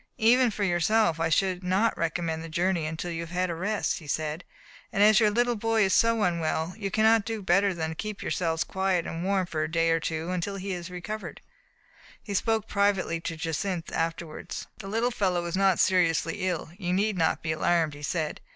"Even for yourself I should not recommend the journey until you have had a rest, he said, "and as your little boy is so unwell, you cannot do better than keep yourselves quiet and warm, for a day or two, until he is recovered.*' He spoke privately to Jacynth afterward. "The little fellow is not seriously ill ; you need not be alarmed," he said.